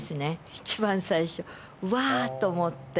一番最初、うわーっと思って。